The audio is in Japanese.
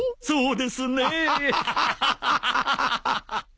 そうですね。